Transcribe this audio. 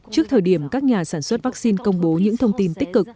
trước thời điểm các nhà sản xuất vaccine công bố những thông tin tích cực